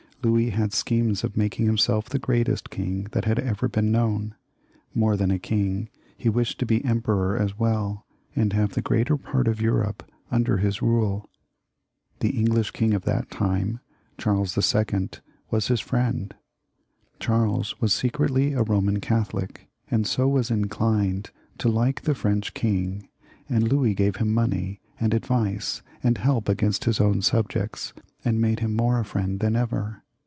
Louis had schemes of making himself the greatest king that had ever been known ; more than king, he wished to be emperor as well, and have the greater part of Europe under his rule. The English king of that time, Charles IL, was his friend. Charles was secretly a Eoman Catholic, and so was in clined to like the French king, and Louis gave him money and advice and help against his own subjects, and made him more a friend than ever.